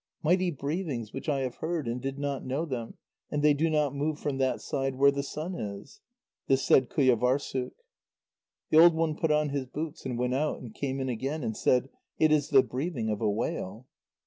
"Mighty breathings which I have heard, and did not know them, and they do not move from that side where the sun is." This said Qujâvârssuk. The old one put on his boots, and went out, and came in again, and said: "It is the breathing of a whale."